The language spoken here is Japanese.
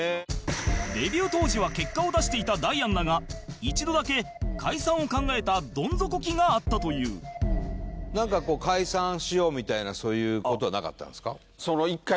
デビュー当時は結果を出していたダイアンだが一度だけ解散を考えたどん底期があったというなんか解散しようみたいなそういう事はなかったんですか？